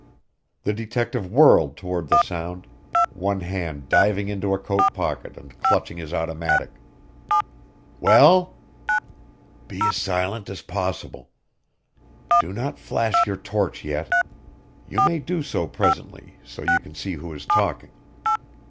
The detective whirled toward the sound, one hand diving into a coat pocket and clutching his automatic. "Well?" "Be as silent as possible. Do not flash your torch yet; you may do so presently, so you can see who is talking.